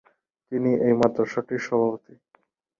তিনি এই মাদ্রাসাটির সভাপতি।